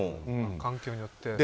環境によって。